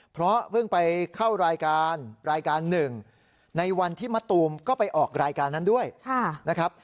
เพราะเพิ่งไปเข้ารายการรายการหนึ่งในวันที่มะตูมก็ไปออกรายการนั้นด้วยนะครับ